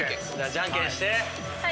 じゃんけんほい。